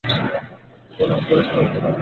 Manoj Dubey, sir.